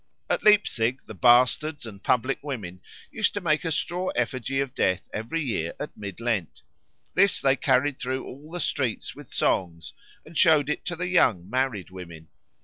At Leipsic the bastards and public women used to make a straw effigy of Death every year at Mid Lent. This they carried through all the streets with songs and showed it to the young married women.